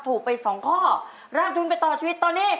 ถูกไปสองข้อรับทุนไปต่อชีวิตตอนนี้